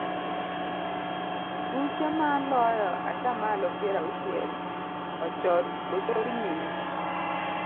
Buche maloyo ata malo piero auchiel ochor nyime.